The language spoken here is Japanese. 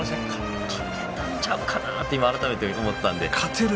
勝てたんちゃうかなって改めて、思ったんで。